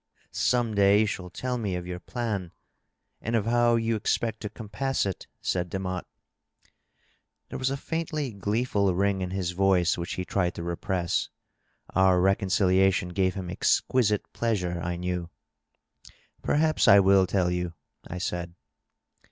" Some day you shall tell me of your plan and of how you expect to compass it," said Demotte. There was a faintly gleeful ring in his voice which he tried to repress. Our reconciliation gave him exquisite pleasure, I knew. Perhaps I will tell you," I said.